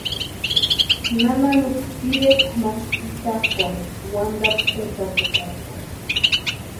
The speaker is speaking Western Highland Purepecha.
Nana Lupa pirekwa ma pʼitakwʼarhisti wantakwa etsakutarakwarhu.